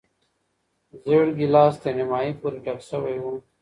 زېړ ګیلاس تر نیمايي پورې ډک شوی و.